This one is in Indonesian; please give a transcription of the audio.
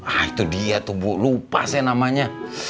ah itu dia tuh bu lupa saya namanya